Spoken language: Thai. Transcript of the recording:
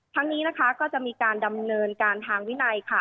ทั้งนี้นะคะก็จะมีการดำเนินการทางวินัยค่ะ